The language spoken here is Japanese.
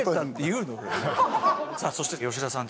さあそして吉田さん